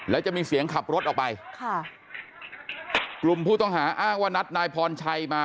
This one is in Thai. แล้วจะมีเสียงขับรถออกไปค่ะกลุ่มผู้ต้องหาอ้างว่านัดนายพรชัยมา